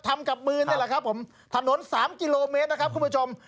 ทำกับมือนี่แหละครับผมถนนสามกิโลเมตรนะครับคุณผู้ชม